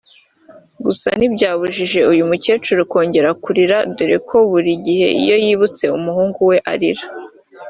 Gusa ntibyabujije uyu mukecuru kongera kurira dore ko buri gihe iyo yibutse umuhungu we arira